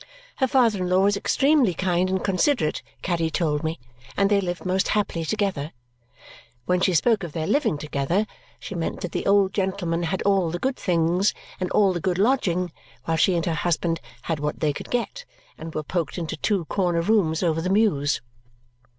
Her father in law was extremely kind and considerate, Caddy told me, and they lived most happily together. (When she spoke of their living together, she meant that the old gentleman had all the good things and all the good lodging, while she and her husband had what they could get, and were poked into two corner rooms over the Mews.)